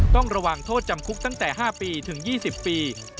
ต้องระวังโทษจำคุกตั้งแต่๕ปีถึง๒๐ปี